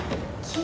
gak ada apa apa